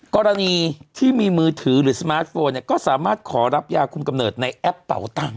กรณีที่มีมือถือหรือสมาร์ทโฟนเนี่ยก็สามารถขอรับยาคุมกำเนิดในแอปเป่าตังค